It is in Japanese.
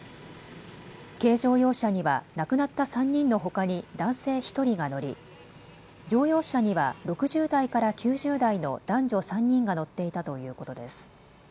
軽乗用車には亡くなった３人のほかに男性１人が乗り乗用車には６０代から９０代の男女３人が乗っていたということです。